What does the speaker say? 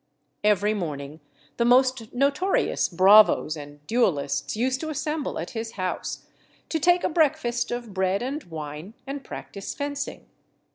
_" Every morning the most notorious bravos and duellists used to assemble at his house, to take a breakfast of bread and wine, and practise fencing.